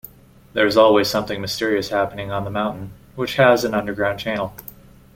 There is always something mysterious happening on the mountain, which has an underground channel.